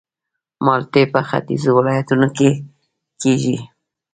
مالټې په ختیځو ولایتونو کې کیږي